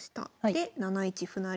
で７一歩成。